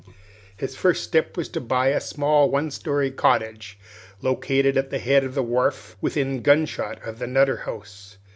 His first step was to buy a small one story cottage located at the head of the wharf, within gun shot of the Nutter House.